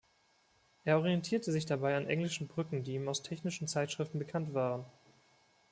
Er orientierte sich dabei an englischen Brücken, die ihm aus technischen Zeitschriften bekannt waren.